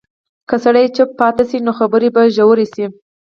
که سړی چوپ پاتې شي، نو خبرې به ژورې شي.